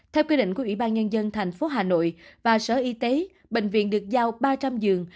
theo quy định của ủy ban nhân dân thành phố hà nội và sở y tế bệnh viện được giao ba trăm linh giường